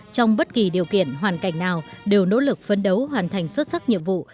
trong bất kỳ điều kiện hoàn cảnh nào đều nỗ lực phấn đấu hoàn thành xuất sắc nhiệm vụ